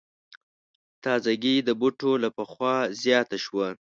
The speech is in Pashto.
تازګي د بوټو له پخوا زیاته شوه.